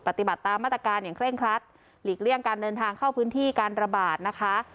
ปฏิบัติตามมาตรการอย่างเคร่งครัดหลีกเลี่ยงการเดินทางเข้าพื้นที่การระบาดนะคะ